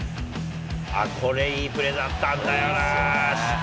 これ、いいプレーだったんだよな。